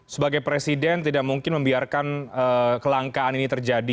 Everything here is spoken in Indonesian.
sebagai presiden tidak mungkin membiarkan kelangkaan ini terjadi